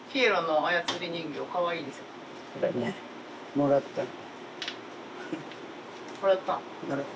もらったの？